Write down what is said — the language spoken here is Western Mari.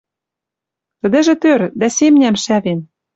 «Тӹдӹжӹ — тӧр, дӓ семням шӓвен —